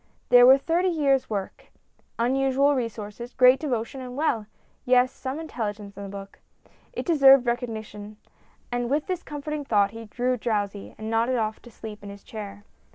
There was thirty years' work, unusual resources, great devotion, and well, yes some intelligence in the book. It deserved recognition, and with this comforting thought he grew drowsy, and nodded off to sleep in his chair.